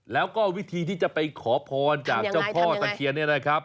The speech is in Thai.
แล้วก็วิธีที่จะไปขอพรจากเจ้าพ่อตะเคียนเนี่ยนะครับ